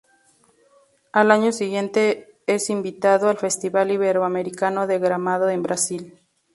Al año siguiente Es invitado al Festival Iberoamericano de Gramado en Brasil.